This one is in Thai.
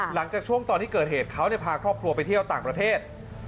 หลังจากช่วงตอนที่เกิดเหตุเขาพาครอบครัวไปเที่ยวต่างประเทศ